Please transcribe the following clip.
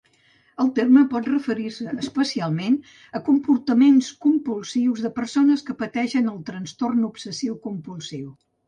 El terme pot referir-se especialment a comportaments compulsius de persones que pateixen el trastorn obsessiu-compulsiu.